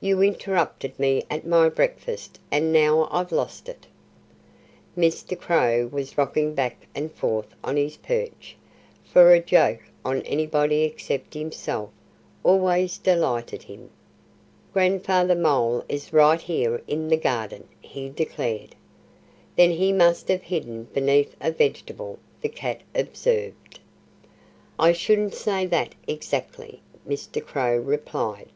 "You interrupted me at my breakfast and now I've lost it." Mr. Crow was rocking back and forth on his perch, for a joke on anybody except himself always delighted him. [Illustration: Grandfather Mole Escapes From Miss Kitty. (Page 8)] "Grandfather Mole is right here in the garden," he declared. "Then he must have hidden beneath a vegetable," the cat observed. "I shouldn't say that, exactly," Mr. Crow replied.